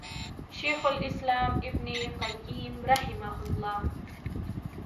شيخ الإسلام ابن القيّم رحمه الله